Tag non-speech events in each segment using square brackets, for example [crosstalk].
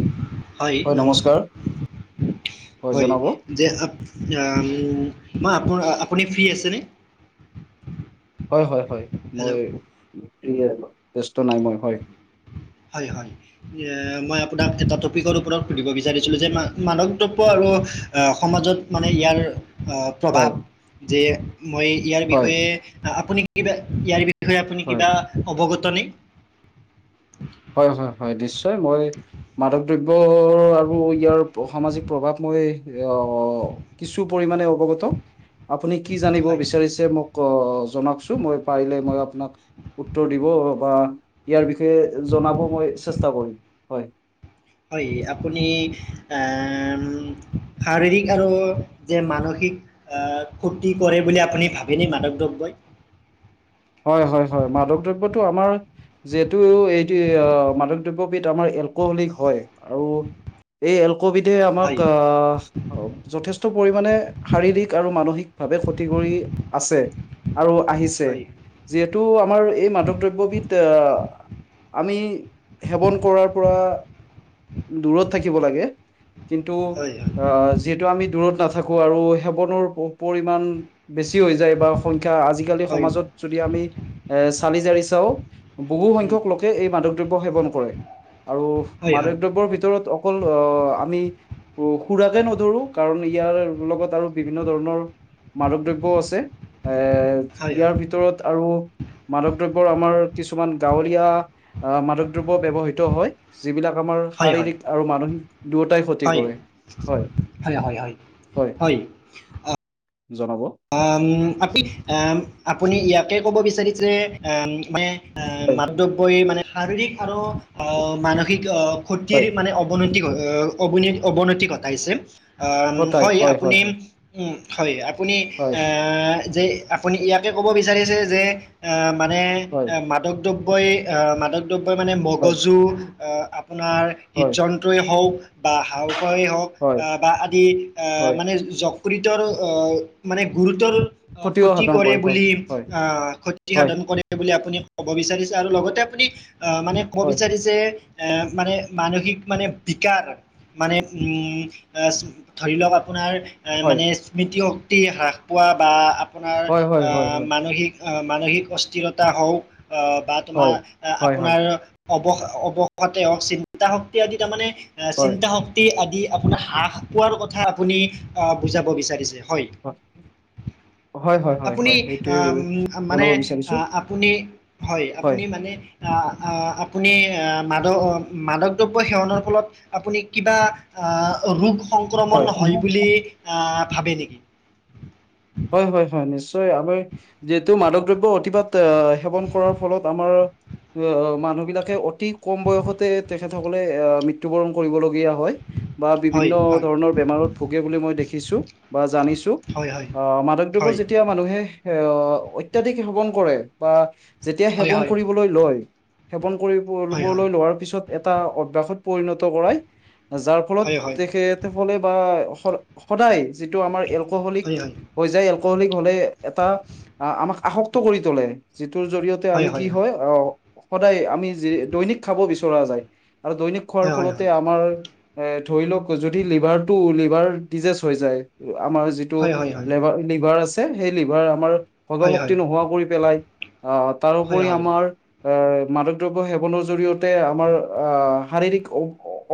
[inaudible] হয়, নমস্কাৰ, হয় জনাব হয়। ম আপ আপুনি ফ্ৰী আছেনে? হয় হয় হয় মই হেল্ল' ফ্ৰিয়েক ব্যস্ত নাই মই হয় হয়, হয় মই আপোনাক এটা টপিকৰ ওপৰত সুধিব বিচাৰিছিলো যে মান দ্ৰব আৰু সমাজত মানে ইয়াৰ আহ হয় প্ৰভাৱ যে মই ইয়াৰ হয় বিষয়ে আপুনি কিবা ইয়াৰ বি বিষয়ে আপুনি হয় কিবা অৱগত নে? হয় হয় হয় নিশ্চয় মই মাদক দ্ৰব্য আৰু ইয়াৰ সামাজিক প্ৰভাৱ মই আহ কিছু পৰিমানে অৱগত। আপুনি কি জানিব হয় বিচাৰিছে মোক জনাওকচোন। মই পাৰিলে মই আপোনাক উত্তৰ দিব বা ইয়াৰ বিষয়ে জনাব মই চেষ্টা কৰিম। হয়, হয়, আপুনি এ শাৰীৰিক আৰু যে মানসিক ঠিক আ ক্ষ্তি কৰে বুলি আপুনি ভাবেনে মাদক দ্ৰব্যই? হয়, হয়, হয় মাদক দ্ৰবটো আমাৰ যিহেতু এইটো মাদক দ্ৰব্যবিধ আমাৰ এলকহলিক হয় আৰু এই এল কবিধে আমাক হয় আ যথেষ্ট পৰিমাণে শাৰীৰিক আৰু মানসিক। ভাৱে ক্ষতি কৰি আছে আৰু আহিছে। হয় যিহেতু আমাৰ এই মাদক দ্ৰব্যবিধ আহ। আমি সেৱন কৰাৰ পৰা দূৰত থাকিব লাগে। কিন্তু আহ যিহেতু আমি দূৰত নাথাকো আৰু সেৱনৰ পৰিমাণ বেছি। হৈ যায় বা সংখ্যা আজিকালি সমাজত যদি আমি এ চালি জাৰি চাও। বহুসংখ্যক লোকে এই মাধক। সেৱন কৰে আৰু মাদক দ্ৰব্য ভিতৰত অকল আহ আমি। সুৰাকে নধৰো কাৰণ ইয়াৰ লগত আৰু বিভিন্ন ধৰণৰ। মাদক দ্ৰব্যও আছে। এৰ ইয়াৰ ভিতৰত। আৰু মাদক দ্ৰব্যৰ আমাৰ কিছুমান গাঁৱলীয়া আহ মাদক দ্ৰব্য ব্যৱহিত হয়। যিবিলাক আমাৰ শাৰীৰিক আৰু মানসিক। দুয়োটাই ক্ষতি কৰে হয় হয়। জনাব উ আপি আপুনি ইয়াকে ক'ব বিচাৰিছে মানে। এ হয় মাদব্যই মানে শাৰীৰিক আৰু অ মানসিক অ। ক্ষতি হয় মানে অৱনতি অ অৱনতি ঘটাইছে। অ হয় আপুনি উ হয় আপুনি হয় এ। যে আপুনি ইয়াকে ক'ব বিচাৰিছে যে। মানে হয় মাদকদ্ৰবই মাদকদ্ৰব্যই মানে হয় মগজু আপোনাৰ। হৃদ, হয় যন্ত্ৰই হওক। বা হাওঁফাওঁয়ে হওক হয় আহ বা আদি আহ হয় মানে জখৰিতৰ আহ। মানে গুৰুতৰ ক্ষতিও ক্ষতি সাধন কৰে হয় বুলি হয় আহ ক্ষতি হয় সাধন কৰে বুলি আপুনি। ক'ব বিচাৰিছে আৰু লগতে আপুনি আহ মানে কব হয় বিচাৰিছে। মানে মানসিক মানে বিকাৰ মানে ধৰি লওক আপোনাৰ এ হয় মানে স্মৃতিশক্তি হ্ৰাস পোৱা বা আপোনাৰ হয় হয় হয় আহ হয় মানসিক মানসিক অস্থিৰতা হওক বা তোমাৰ হয় হয় হয় হয় আপোনাৰ অৱস অৱসাতে হওক চিন্তা শক্তি আদি তাৰমানে- হয় চিন্তা শক্তি আদি আপোনাৰ হ্ৰাস পোৱাৰ কথা আপুনি আহ বুজাব বিচাৰিছে হয়। হয়। হয় হয় আপুনি হয় সেইটোৱে আহ মানে জনাব বিচাৰিছো আহ আপুনি হয় আপুনি মানে। আহ আপুনি আহ মাদক মাদক দ্ৰব্য সেৱনৰ ফলত আপুনি কিবা- আহ ৰোগ সংক্ৰমণ হয় বুলি আহ ভাবে নেকি? হয় হয় হয় নিশ্চয় আমি যিহেতু মাদক দ্ৰব্য অতিপাত এ সেৱন কৰাৰ ফলত আমাৰ- আহ মানুহ বিলাকে অতি কম বয়সতে তেখেতসকলে আহ মৃত্যুবৰণ কৰিবলগীয়া হয়। বা বিভিন্ন ধৰণৰ বেমাৰত ভোগে বুলি মই দেখিছো বা জানিছো। আহ মাদক দ্ৰৱত যেতিয়া মানুহে আহ অত্যাধিক সেৱন কৰে। বা- যেতিয়া সেৱন কৰিবলৈ লয় সেৱন কৰিবলৈ লোৱাৰ পিছত এটা অভ্যাসত পৰিণত কৰাই যাৰ ফলত তেখত সকলে বা- সদায় যিটো আমাৰ এলকহলিক হৈ যায়। এলকহলিক হলে এটা আমাক আসক্ত কৰি তোলে যিটোৰ জৰিয়তে আমি কি হয় আহ- সদায় আমি যি দৈনিক খাব বিচৰা যায় আৰু দৈনিক খোৱাৰ ফলতে আমাৰ এ ধৰি লওক যদি লিভাৰটো লিভাৰ ডিজেজ হৈ যায় আমাৰ যিটো লিভাৰ লিভাৰ আছে সেই লিভাৰ আমাৰ সগ শক্তি নোহোৱা কৰি পেলাই আহ তাৰোপৰি আমাৰ- এ মাদক দ্ৰব্য সেৱনৰ জৰিয়তে আমাৰ আহ শাৰীৰিক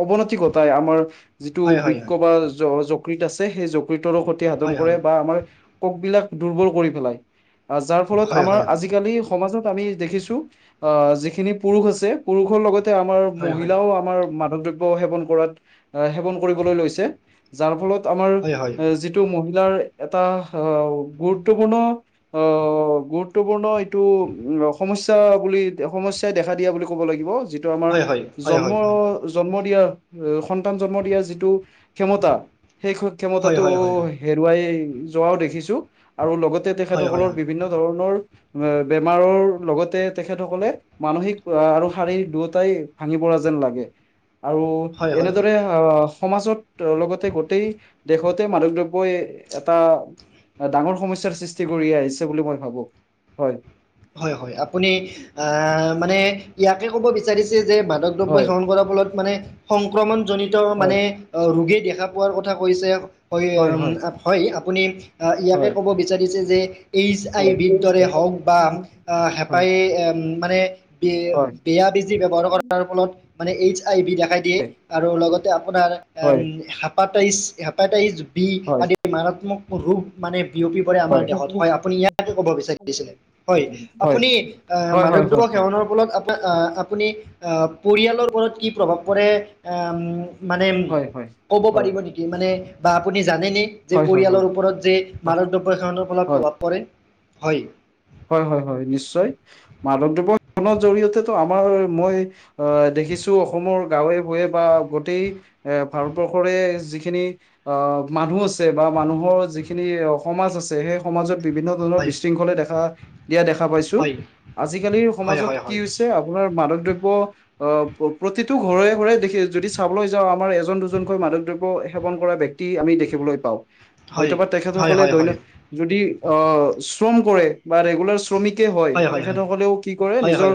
অৱনতি ঘটাই আমাৰন যিটো বৃক বা য যকৃত আছে সেই যকৃতৰো ক্ষতি সাধন কৰে। ক বিলাক দুৰ্বল কৰি পেলাই আহ যাৰ ফলত আমাৰ আজিকালি সমাজত। আমি দেখিছো অ যিখিনি পুৰুষ আছে পুৰুষৰ লগতে আমাৰ মহিলাও আমাৰ মহিলাও আমাৰ। দ্ৰব্য সেৱন কৰাত সেৱন কৰিবলৈ লৈছে যাৰ ফলত। আমাৰ এ যিটো মহিলাৰ। এটা আহ গুৰুত্বপূৰ্ণ আহ গুৰুত্বপূৰ্ণ এইটো অসমত। বুলি সমস্যাই দেখা দিয়া বুলি ক'ব লাগিব যিটো আমাৰ জন্ম জন্ম। দিয়া সন্তান জন্ম দিয়া যিটো ক্ষমতা। সেই ক্ষমতাটো হেৰুৱাই যোৱাও দেখিছো। আৰু লগতে তেখেতসকলৰ বিভিন্ন ধৰণৰ। বেমাৰৰ লগতে তেখেতসকলে মানসিক আহ আৰু শাৰীৰিক দুয়োটাই ভাঙিব। যেন লাগে আৰু হয় হয় হয় এনেদৰে আহ সমাজত লগতে গোটেই। দেশতে মাদক দ্ৰব্যই। এটা ডাঙৰ সমস্যাৰ সৃষ্টি কৰি আহিছে বুলি মই ভাবো হয়। হয় হয় আপুনি আহ মানে ইয়াকে ক'ব বিচাৰিছে। যে মাদক দ্ৰব্য হয় সেৱন কৰাৰ ফলত মানে সংক্ৰমণ জনিত হয় মানে ৰোগী। দেখা পোৱাৰ কথা কৈছে হয় হয় আপুনি ইয়াকে হয় ক'ব বিচাৰিছে যে। এইচ আই হয় ভিৰ হয় দৰে হওক বা। আহ হেঁপাহ হয় এ মানে হয় বেয়া বেজি ব্যৱহাৰ কৰাৰ ফলত। মানে এইচ আই বি দেখাই দিয়ে আৰু লগতে আপোনাৰ হয় হেপাটাইচ হেপাটাইচ। বি হয় হয় আদি মাৰাত্মক ৰূপ মানে। বিয়পি পৰে আমাৰ হয় দেহত হয় আপুনি ইয়াকে ক'ব বিচাৰিছিলে। হয় আপুনি হয় হয় মাদক হয় দ্ৰব্য সেৱনৰ ফলত। আপুনি আহ পৰিয়ালৰ ওপৰত কি প্ৰভাৱ পৰে আহ। মানে হয় হয় ক'ব হয় পাৰিব নেকি মানে বা আপুনি। জানেনে যে হয় হয় হয় পৰিয়ালৰ ওপৰত যে হয় মাদক দ্ৰব্য সেৱনৰ ফলত হয় প্ৰভাৱ পৰে হয়। হয় হয় হয় নিশ্চয়, মাদক দ্ৰৱ্য ফলত জৰিয়তে তো আমাৰ মই অ। দেখিছো অসমৰ গাঁৱে ভূঞে বা গোটেই এ ভাৰতবৰ্ষৰে যিখিনি আহ। মানুহ আছে বা মানুহৰ যিখিনি সমাজ আছে সেই সমাজত বিভিন্ন ধৰণৰ বিশৃংখলে দেখা। দিয়া দেখা পাইছো আজিকালিৰ সমাজত কি হৈছে আপোনাৰ মাদক। দ্ৰব্য আহ প্ৰতিটো ঘৰে ঘৰে দেখি যদি চাবলৈ যাওঁ আমাৰ এজন দুজনকৈ মাদক দ্ৰব্য। সেৱন কৰা ব্যক্তি আমি দেখিবলৈ পাওঁ। হয়তবা তেখেতসকলে দৈন যদি অ শ্ৰম কৰে বা ৰেগুলাৰ। শ্ৰমিকে হয় তেখেতসকলেও কি কৰে নিজৰ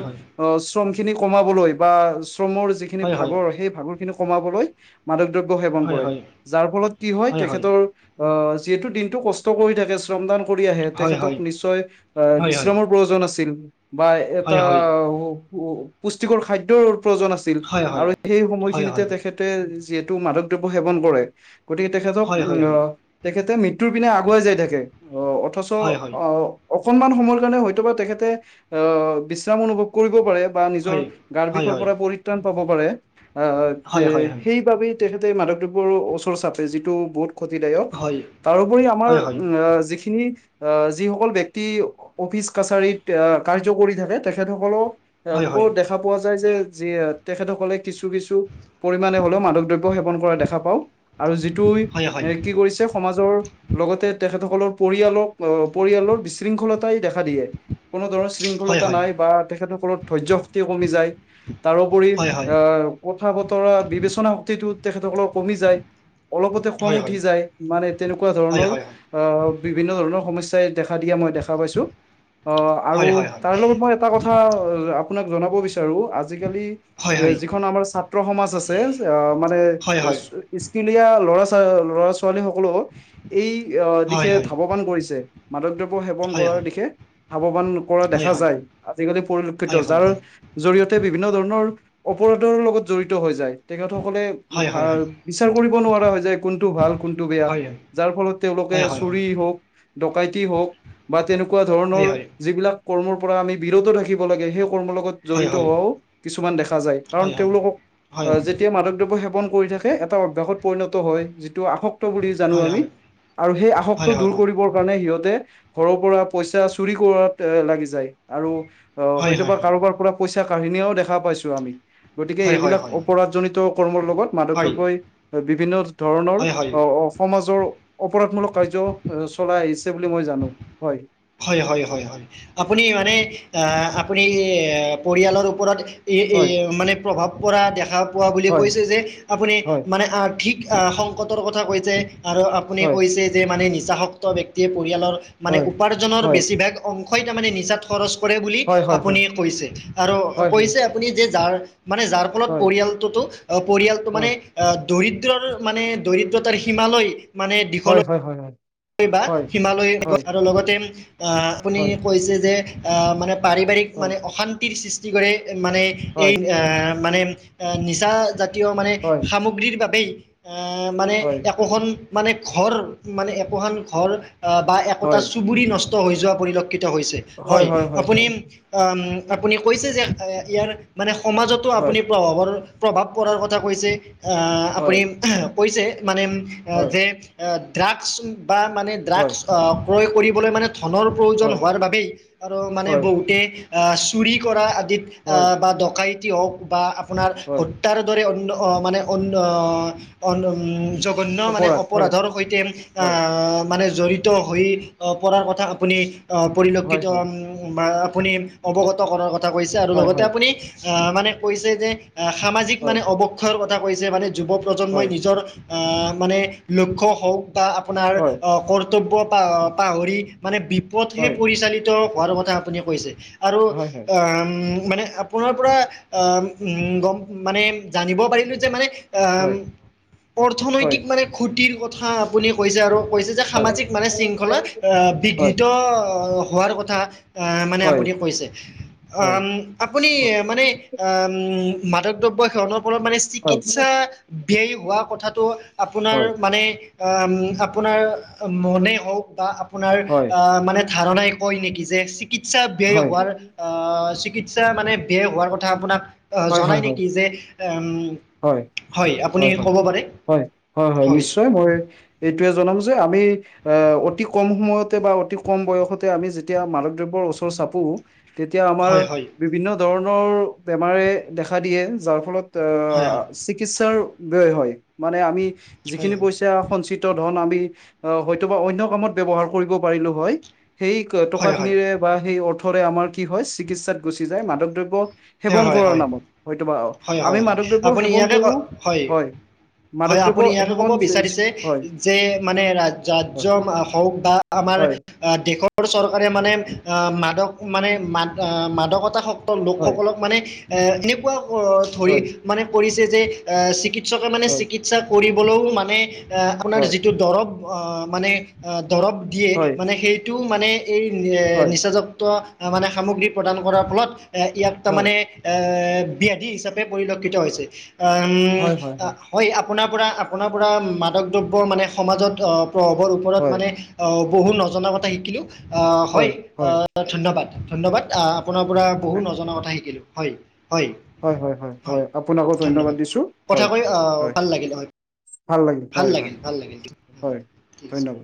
শ্ৰম খিনি কমাবলৈ বা। [unintelligible] যিখিনি ভাগৰ সেই ভাগৰ খিনি কমাবলৈ মাদক। দ্ৰব্য সেৱন কৰে যাৰ ফলত কি হয় তেখেতৰ। আহ যিহেতু দিনটো কষ্ট কৰি থাকে শ্ৰমদান কৰি আহে তেখেতক নিশ্চয়। আহ বিশ্ৰামৰ পইউজন আছিল বা এটা পুষ্টিকৰ খাদ্য - প্ৰজন আছিল আৰু সেই সময়খিনিতে তেখেতে যিহেতু মাদক দ্ৰৱ সেৱন কৰে। গতিকে তেখেতক আহ তেখেতে মৃত্যুৰ পিনে আগুৱাই যাই থাকে। অ অথ‌ছঅ অ। অকনমান সময়ৰ কাৰণে হয়তো বা তেখেতে অ বিশ্ৰাম অনুভৱ কৰিব পাৰে। নিজৰ গাৰ বিষৰ পৰা পৰিত্ৰাণ পাব পাৰে স অ সেইবাবে। তেখেতে মাদক দ্ৰৱ্যৰ ওচৰ চাপে যিটো বহুত। ক্ষতিদায়ক তাৰোপৰি আমাৰ যিখিনি অ যিসকল। অফিচ কাছাৰীত কাৰ্য কৰি থাকে তেখেতসকলক। কৌ দেখা পোৱা যায় যে যি তেখেতসকলে। কিছু কিছু পৰিমাণে হলেও মাদক দ্ৰব্য সেৱন কৰা দেখা পাও আৰু যিটো এ কি কৰিছে। সমাজৰ লগতে তেখেত। সকলৰ পৰিয়ালক আহ পৰিয়ালৰ বিশৃংখলতাই দেখা দিয়ে। কোনো ধৰণৰ শৃংখলতা নাই বা তেখেতসকলৰ ধৈ্য্য শক্তিও কমি যায় তাৰোপৰি আহ কথা বতৰা বিবেচনা শক্তিটো তেখেতসকলৰ কমি যায়। অলপতে খং উঠি যায় মানে তেনেকুৱা ধৰণৰ আহ বিভিন্ন ধৰণৰ সমস্যা মই দেখা পাইছোঁ অ তাৰ লগত মই এটা কথা আপোনাক বিছাৰো আজিকালি যিখন আমাৰ ছাত্ৰ সমাজ আছে মানে- [unintelligible] ল'ৰা ছোৱালি ছোৱালী সকলেও এই দিশে ধাৱবান কৰিছে মাদকৱ সেৱন কৰাৰ দিশে সাৱধান কৰা দেখা যায় আজিকালি পৰিলক্ষিত যাৰ জৰিয়তে তে বিভিন্ন ধৰণৰ অপৰাধৰ লগত জড়িত হৈ যায় তেখেতসকলে বিচাৰ কৰিব নোৱাৰা হয় যে কোনটো ভাল কোনটো বেয়া যাৰ ফলত তেওঁলোক চুৰি হওক ডকাইতি হওক বা তেনেকুৱা ধৰণৰ যিবিলাক কৰ্মৰ পৰা আমি বিৰত থাকিব লাগে সেই কৰ্মৰ লগত জড়িত হোৱাও কিছুমান দেখা যায় কাৰণ তেওঁলোকক যেতিয়া মাদকদ্ৰৱ সেৱন কৰি থাকে এটা অভ্যাসত পৰিণত হয় যিটো আসক্ত বুলি জানো আমি আৰু সেই আসক্ত দূৰ কৰিবৰ কাৰণে সিহঁতে ঘৰৰ পৰা পইচা চুৰি কৰাত লাগি যায় আৰু হয়তোবা কাৰোবাৰ পৰা পইচা কাহিনীও দেখা পাইছো আমি গতিকে এইবিলাক অপৰাধজনিত কৰ্মৰ লগত মাধকদ্ৰৱই বিভিন্ন ধৰণৰ আহ সমাজৰ অপৰাধমূলক কাৰ্য চলাই আহিছে বুলি মই জানো হয় হয় হয় হয় আপুনি মানে আপুনি পৰিয়ালৰ ওপৰত হয় মানে প্ৰভাৱ পৰা দেখা পোৱা বুলি হয় কৈছে যে আপুনি হয়, মানে আৰ্থিক সংকটৰ কথা কৈছে আৰু আপুনি হয়, কৈছে যে মানে নিচা শক্ত ব্যক্তিয়ে পৰিয়ালৰ মানে হয়, উপাৰ্জনৰ হয়, বেছিভাগ অংশই তাৰ মানে নিজাত খৰচ কৰে বুলি হয়, হয়, হয়, আপুনি কৈছে আৰু হয়, কৈছে আপুনি যে যাৰ মানে যাৰ ফলত হয়, পৰিয়ালটোতো পৰিয়ালটো মানে হয়, দৰিদ্ৰৰ মানে দৰিদ্ৰতাৰ সীমালৈ মানে দিশলৈ হয় হয় হয় হয় বা হয়। হিমালয় গৈ আৰু লগতে। আপুনি হয়, কৈছে যে মানে পাৰিবাৰিক মানে অশান্তিৰ সৃষ্টি কৰে মানে এই হয়, মানে নিচা জাতীয় হয়, হয়, সামগ্ৰীৰ বাবেই এ মানে একোখন মানে ঘৰ ম একোখন ঘৰ বা হয়, হয়, একোটা হয়, চুবুৰি নষ্ট হৈ যোৱা পৰিলক্ষিত হৈছে হয় আপুনি আপুনি কৈছে যে ইয়াৰ মানে সমাজতো হয়। আপুনি প্ৰভাৱৰ প্ৰভাৱ পৰাৰ কথা কৈছে। হয়, আপুনি কৈছে মানে হয়, যে ড্ৰাগছ। মানে ড্ৰাগছ ক্ৰয় কৰিবলৈ মানে। ধনৰ হয়, হয়, প্ৰয়োজন হয়, হোৱাৰ বাবেই আৰু মানে হয়, বহুতে চুৰি কৰা। হয়, বা ডক হওক বা আপোনাৰ হয়, হতাৰ দৰে অন্য। মানে অন্য জঘন্য মানে অপৰাধ হয়, অপৰাধৰ সৈতে হয়, মানে জড়িত হৈ পৰাৰ কথা আপুনি হয়, পৰিলক্ষিত হয়, আপুনি অৱগত কৰাৰ কথা কৈছে আৰু হয়, লগতে হয়, হয়, আপুনি মানে কৈছে যে সামাজিক হয়, মানে অৱক্ষয়ৰ কথা কৈছে মানে যুৱ প্ৰজন্মই হয়, নিজৰ মানে লক্ষ্য হওক বা আপোনাৰ হয়, কৰ্তব্য পাহৰি মানে বিপদহে পৰিচালিত হোৱাৰ কথা আপুনি কৈছে আৰু হয়, হয়, মানে আপোনাৰ পৰা গম মানে জানিব পাৰিলো যে মানে হয়, অৰ্থনৈতিক হয়, মানে ক্ষুতিৰ কথা আপুনি কৈছে আৰু কৈছে যে হয়, হয়, হয়, হয়, হয়, সামাজিক মানে শৃংখলা বিঘ্নিত হোৱাৰ কথা মানে হয়, হয়, হয়, আপুনি কৈছে হয়, হয়, আপুনি মানে মাদক দ্ৰব্য সেৱনৰ পৰা মানে চিকিৎসা ব্যয় হোৱা কথাটো আপোনাৰ মানে আপোনাৰ মনে হওক বা আপোনাৰ আহ মানে ধাৰণাই কয় নেকি যে চিকিৎসা হয়, ব্যয় হোৱাৰ হয়, আ চিকিৎসা মানে বেয়া হোৱাৰ কথা আপোনাক আ জনাই নেকি যে উ হয় হয় হয় হয় হয় হয় নিশ্চয় মই এই যে আমি অতি কম সময় বা অতি কম বয়সতে আমি যেতিয়া মাদক দ্ৰব্য ওচৰ চাপু তেতিয়া আমাৰ হয়, হয়, বিভিন্ন ধৰণৰ বেমাৰে দেখা দিয়ে যাৰ ফলত অ হয়, হয়, চিকিৎসা হয় মানে আমি হয়, যিখিনি পইছা সঞ্চিত ধন। হয়টো বা অন্য কামত ব্যৱহাৰ কৰিব পৰিলোঁ হয়। সেই টকা হয়, হয়, হয়, খিনিৰে বা সেই অৰ্থৰে আমাৰ কি হয় চিকিৎসাত গুচি যায় মাধৱক দ্ৰব্য হয় সেৱন কৰাৰ হয় নামত হয়তোবা হয় আমি হয় হয় মাদক দ্ৰব্য আপুনি সেৱন ইয়াতে ক কৰো হয়। মাদক হয় দ্ৰব্য আপুনি ইয়াকে ক'ব সেৱন যে- বিচাৰিছে হয় যে মানে ৰাজ্য হওঁক বা। আমাৰ হয় দেশৰ চৰকাৰে মানে। মানে ম মাদকতাসক্ত লোক হয় সকলক মানে এনেকুৱা ধৰি হয় মানে কৰিছে যে চিকি। চিকিৎসকে মানে হয় চিকিৎসা কৰিবলৈও মানে আপোনাৰ হয় যিটো দৰৱ মানে। দৰৱ দিয়ে হয় মানে সেইটোও মানে এই হয় নিচাযুক্ত। মানে সামগ্ৰী প্ৰদান কৰাৰ ফলত ইয়াক হয় তাৰমানে ব্যায়াধি হিচাপে পৰিলক্ষিত হৈছে হয় হয় হয়। আপোনাৰ পৰা আপোনাৰ পৰা মাদক দ্ৰব্য মানে সমাজত প্ৰভাৱৰ ওপৰত হয় মানে। বহু নজনা কথা শিকিলো আ হয় ধন্যবাদ ধন্যবাদ আ। আপোনাৰ পৰা বহুত হয় নজনা কথা শিকিলো হয়। হয় হয় ধন্যবাদ কথা কৈ হয় ভাল লাগিলে হয়। ভাল লাগিল ভাল লাগিল হয় ঠিক আছে। ধন্যবাদ